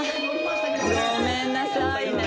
ごめんなさいね。